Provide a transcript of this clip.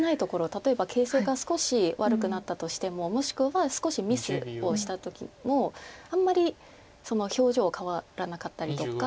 例えば形勢が少し悪くなったとしてももしくは少しミスをした時もあんまり表情変わらなかったりとか。